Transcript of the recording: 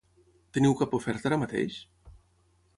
Teniu cap oferta ara mateix?